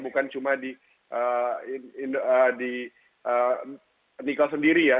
bukan cuma di nikel sendiri ya